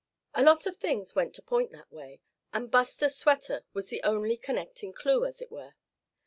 A lot of things went to point that way; and Buster's sweater was the only connecting clue, as it were.